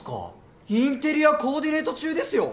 インテリアコ―ディネ―ト中ですよ？